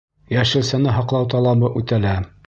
Йәшелсәне һаҡлау талабы үтәлә.